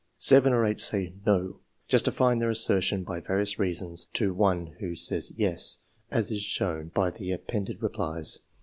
Seven or eight say " no," justifying their assertion by various reasons, to one who says " yes," as is shown by the appended replies.